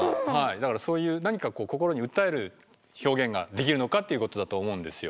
だからそういう何かこう心に訴える表現ができるのかっていうことだと思うんですよ。